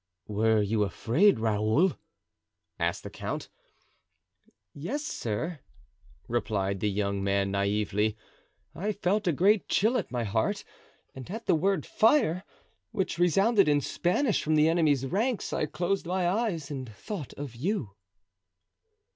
"Were you afraid, Raoul?" asked the count. "Yes, sir," replied the young man naively; "I felt a great chill at my heart, and at the word 'fire,' which resounded in Spanish from the enemy's ranks, I closed my eyes and thought of you."